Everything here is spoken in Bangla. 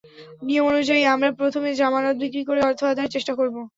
নিয়ম অনুযায়ী আমরা প্রথমে জামানত বিক্রি করে অর্থ আদায়ের চেষ্টা করব।